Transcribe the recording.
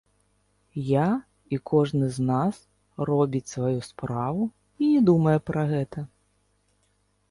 Я, і кожны з нас, робіць сваю справу і не думае пра гэта.